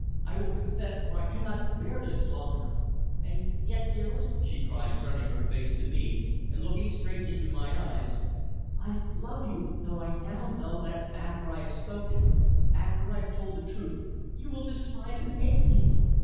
I will confess, for I cannot bear this longer. And yet, dearest," she cried, turning her face to me and looking straight into my eyes, "I love you, though I now know that after I have spoken after I have told the truth you will despise and hate me!